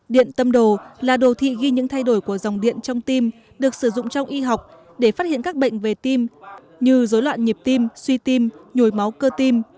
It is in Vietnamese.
điện tâm đồ là đồ thị ghi những thay đổi của dòng điện trong tim được sử dụng trong y học để phát hiện các bệnh về tim như dối loạn nhịp tim suy tim nhồi máu cơ tim